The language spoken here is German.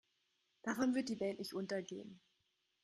Davon wird die Welt nicht untergehen.